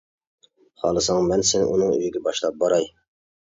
خالىساڭ مەن سېنى ئۇنىڭ ئۆيىگە باشلاپ باراي.